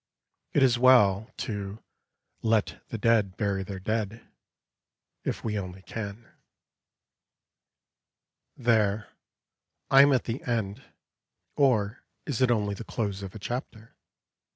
It is well to "let the dead bury their dead" if we only can. There, I am at the end; or is it only the close of a chapter?